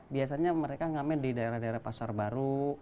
biasanya mereka ngamen di daerah daerah pasar baru